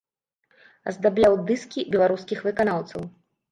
Аздабляў дыскі беларускіх выканаўцаў.